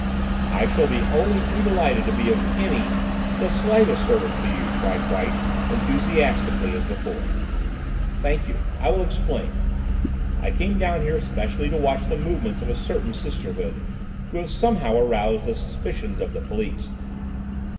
"I shall be only too delighted to be of any–the slightest service to you," cried White, enthusiastically as before. "Thank you. I will explain. I came down here specially to watch the movements of a certain Sisterhood who have somehow aroused the suspicions of the police.